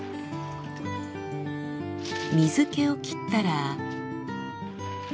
水けを切ったら。